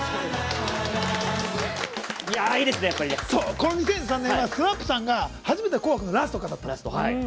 この２００３年はＳＭＡＰさんが初めて「紅白」のラストを飾ったの。